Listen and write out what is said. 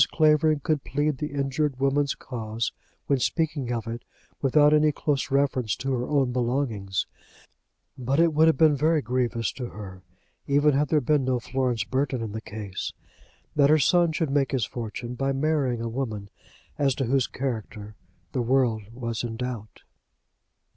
Clavering could plead the injured woman's cause when speaking of it without any close reference to her own belongings; but it would have been very grievous to her, even had there been no Florence Burton in the case, that her son should make his fortune by marrying a woman as to whose character the world was in doubt.